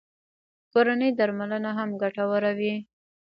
کورنۍ درملنه هم ګټوره وي